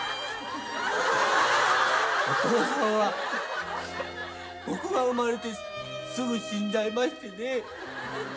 お父さんは僕が生まれてすぐ死んじゃいましてね。